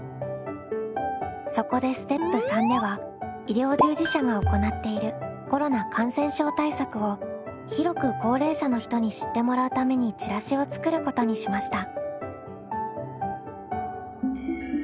そこでステップ３では医療従事者が行っているコロナ感染症対策を広く高齢者の人に知ってもらうためにチラシを作ることにしました。